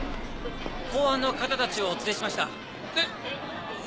公安の方たちをお連れしました。